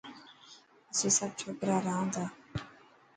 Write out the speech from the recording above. اسين سڀ ڇوڪرا رهان تا.